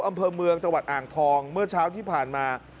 อำเภอเมืองจังหวัดอ่างทองเมื่อเช้าที่ผ่านมา